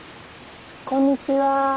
こんにちは。